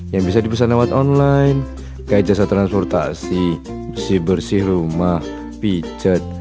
yang bisa dipesan lewat online kayak jasa transportasi bersih bersih rumah pijat